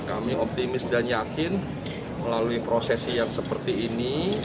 kami optimis dan yakin melalui prosesi yang seperti ini